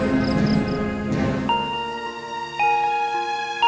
tidak ada di situ